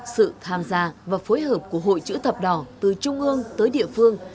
sự tham gia và phối hợp của hội chữ thập đỏ từ trung ương tới địa phương